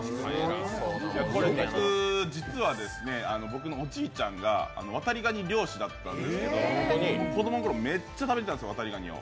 これ、実は僕のおじいちゃんがわたりがに漁師だったんですけど子どものころめっちゃ食べてたんですよ、わたりがにを。